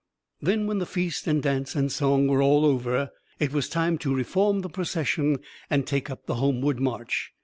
Then when feast and dance and song were all over, it was time to reform the procession and take up the homeward march.